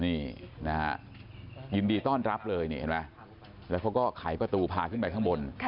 นี่นะฮะยินดีต้อนรับเลยนี่เห็นไหมแล้วเขาก็ไขประตูพาขึ้นไปข้างบน